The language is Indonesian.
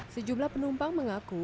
sejumlah penumpang mengaku